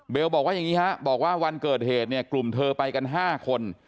บอกว่าอย่างนี้ฮะบอกว่าวันเกิดเหตุเนี่ยกลุ่มเธอไปกัน๕คน